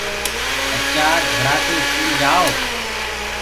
ڀچآ جھڙآٽي اسڪول ڪآؤ۔